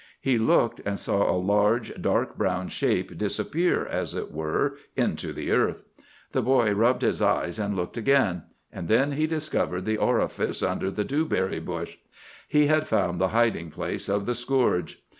He looked and saw a large, dark brown shape disappear, as it were, into the earth. The boy rubbed his eyes and looked again, and then he discovered the orifice under the dewberry bush. He had found the hiding place of the scourge!